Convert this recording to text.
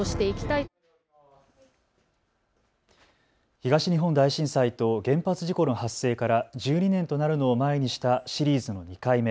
東日本大震災と原発事故の発生から１２年となるのを前にしたシリーズの２回目。